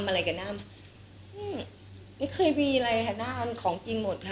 ทำอะไรกับน้ำไม่เคยมีอะไรค่ะน้ำของกินหมดค่ะ